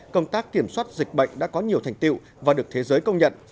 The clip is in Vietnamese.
công tác kiểm soát dịch bệnh đã có nhiều thành tiệu và được thế giới công nhận